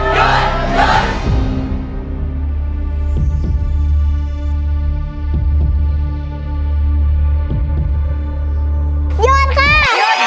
หยุดครับ